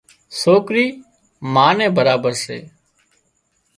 سوڪرِي ما نين برابر سي